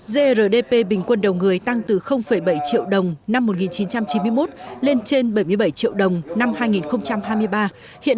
grdp bình quân đầu người tăng từ bảy triệu đồng năm một nghìn chín trăm chín mươi một lên trên bảy mươi bảy triệu đồng năm hai nghìn hai mươi ba hiện